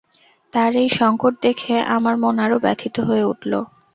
তাঁর এই সংকট দেখে আমার মন আরো ব্যথিত হয়ে উঠল।